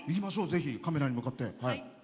ぜひカメラに向かって。